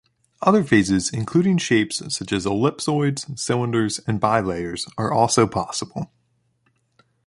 Other phases, including shapes such as ellipsoids, cylinders, and bilayers, are also possible.